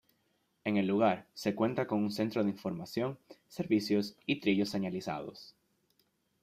En el lugar, se cuenta con un centro de información, servicios y trillos señalizados.